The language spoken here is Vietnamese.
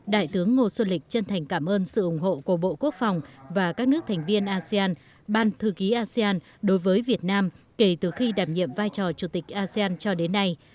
đại tướng ngô xuân lịch chân thành cảm ơn sự ủng hộ của bộ quốc phòng và các nước thành viên asean ban thư ký asean đối với việt nam kể từ khi đảm nhiệm vai trò chủ tịch asean cho đến nay